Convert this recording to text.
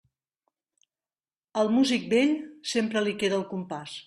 Al músic vell, sempre li queda el compàs.